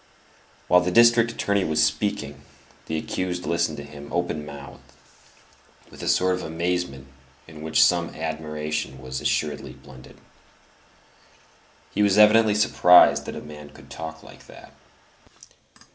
While the district attorney was speaking, the accused listened to him open mouthed, with a sort of amazement in which some admiration was assuredly blended. He was evidently surprised that a man could talk like that.